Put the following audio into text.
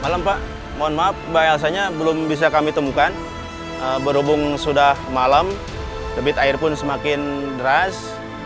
malam pak mohon maaf mbak elsanya belum bisa kami temukan berhubung sudah malam debit air pun semakin deras